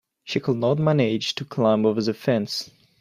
She could not manage to climb over the fence.